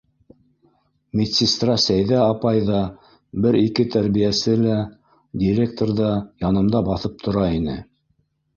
Медсестра Сәйҙә апай ҙа, бер-ике тәрбиәсе лә, директор ҙа янымда баҫып тора ине.